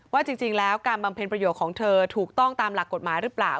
ว่าจริงแล้วการบำเพ็ญประโยชน์ของเธอถูกต้องตามหลักกฎหมายหรือเปล่า